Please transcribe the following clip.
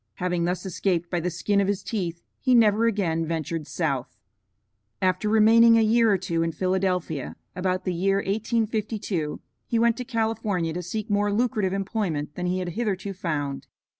Having thus escaped by the skin of his teeth, he never again ventured South. After remaining a year or two in Philadelphia, about the year 1852 he went to California to seek more lucrative employment than he had hitherto found.